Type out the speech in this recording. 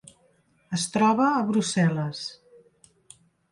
Es troba a Brussel·les.